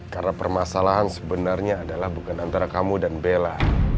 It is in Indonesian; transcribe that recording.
karena permasalahan sebenarnya adalah bukan antara kamu dan bella